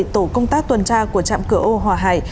tổ công tác tuần tra của trạm cửa âu hòa hải